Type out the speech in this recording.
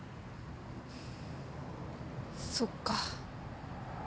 そっか。